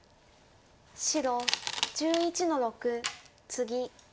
白１１の六ツギ。